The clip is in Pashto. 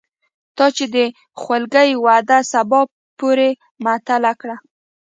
تا چې د خولګۍ وعده سبا پورې معطله کړه